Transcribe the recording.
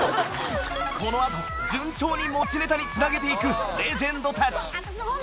このあと順調に持ちネタに繋げていくレジェンドたち